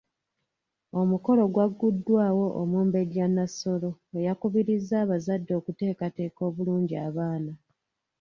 Omukolo gwagguddwawo Omumbejja Nassolo eyakubirizza abazadde okuteekateeka obulungi abaana.